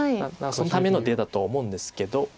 そのための出だと思うんですけど。